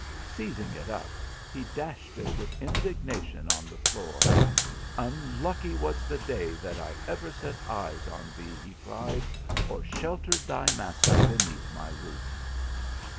Seizing it up he dashed it with indigna tion on the floor. " Unlucky was the day that I ever set eyes on thee," he cried, "or sheltered thy rnaste beneath my roof."